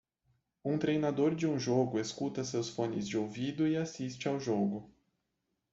Um treinador de um jogo escuta seus fones de ouvido e assiste ao jogo.